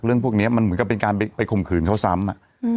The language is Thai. เรื่องพวกเนี้ยมันเหมือนกันเป็นการไปข่มขืนเขาซ้ำ